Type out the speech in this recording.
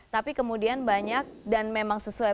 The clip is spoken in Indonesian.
tapi kemudian banyak dan memang sesuai